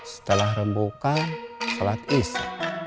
setelah rembukan sholat isha